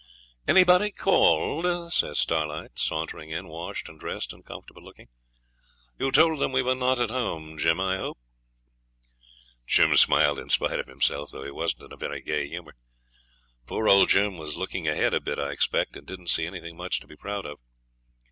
'Anybody called?' says Starlight, sauntering in, washed and dressed and comfortable looking. 'You told them we were not at home, Jim, I hope.' Jim smiled in spite of himself, though he wasn't in a very gay humour. Poor old Jim was looking ahead a bit, I expect, and didn't see anything much to be proud of.